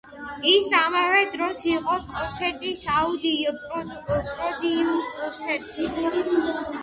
ის ამავე დროს იყო კონცერტის აუდიო პროდიუსერიც.